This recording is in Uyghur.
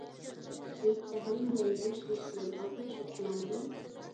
ھېيتتا ھەممەيلەن گۆش يېيىش بىلەن ئالدىراش ئوخشىمامدۇ؟